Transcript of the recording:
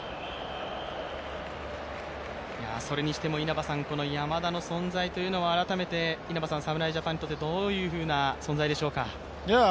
それにしても山田の存在というのは改めて侍ジャパンにとってどういうふうな存在でしょうか？